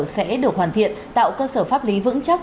sẽ được hoàn thiện tạo cơ sở pháp lý vững chắc